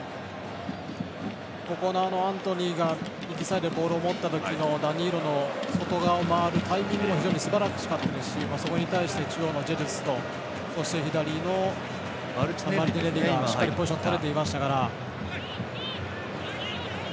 アントニーが右サイドにボールを持った時のダニーロの外側を回るタイミングもすばらしかったですしそこに対して、中央のジェズスと左のマルチネッリがしっかりポジションをとっていましたから。